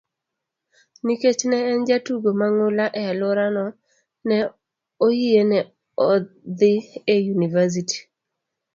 Nikech ne en jatugo mang'ula e alworano, ne oyiene dhi e yunivasiti.